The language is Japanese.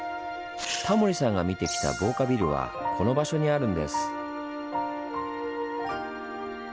タモリさんが見てきた防火ビルはこの場所にあるんです。